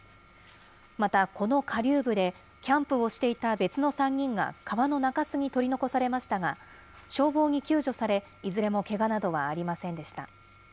また、この下流部でキャンプをしていた別の３人が川の中州に取り残されましたが、消防に救助され、いずれもけがなどはありませんでした。